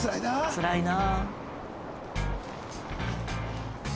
つらいな。